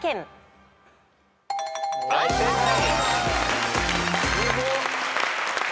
はい正解。